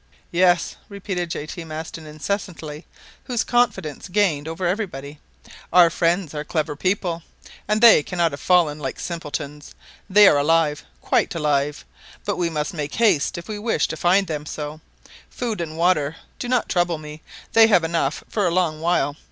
"Yes," repeated J. T. Maston incessantly, whose confidence gained over everybody, "our friends are clever people, and they cannot have fallen like simpletons. They are alive, quite alive; but we must make haste if we wish to find them so. Food and water do not trouble me; they have enough for a long while.